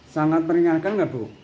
sangat meringankan gak bu